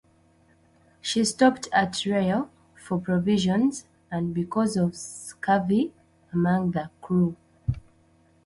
She stopped at Rio for provisions and because of scurvy among the crew.